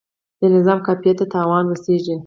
د نظم قافیې ته تاوان رسیږي.